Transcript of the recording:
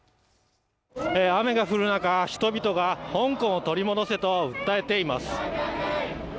雨が降る中、人々が香港を取り戻せと訴えています。